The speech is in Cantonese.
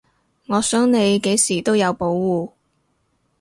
我想你幾時都有保護